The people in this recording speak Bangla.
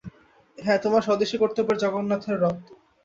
হাঁ তোমাদের স্বদেশী কর্তব্যের জগন্নাথের রথ।